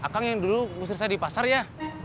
kang yang dulu ngusir saya di pasar ya